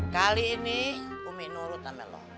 kali ini umi nurut sama lo